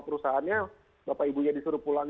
perusahaannya bapak ibu nya disuruh pulang